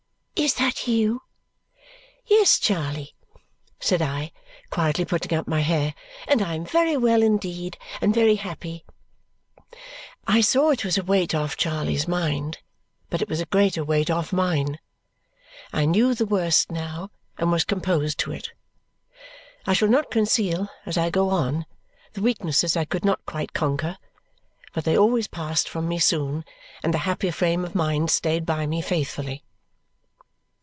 "Is that you?" "Yes, Charley," said I, quietly putting up my hair. "And I am very well indeed, and very happy." I saw it was a weight off Charley's mind, but it was a greater weight off mine. I knew the worst now and was composed to it. I shall not conceal, as I go on, the weaknesses I could not quite conquer, but they always passed from me soon and the happier frame of mind stayed by me faithfully.